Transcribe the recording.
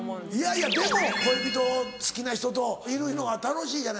いやいやでも恋人好きな人といるのが楽しいじゃない。